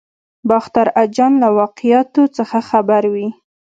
باختر اجان له واقعاتو څخه خبر وي.